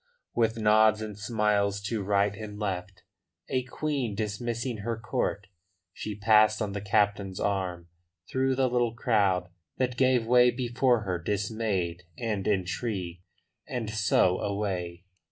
With nods and smiles to right and left a queen dismissing her court she passed on the captain's arm through the little crowd that gave way before her dismayed and intrigued, and so away.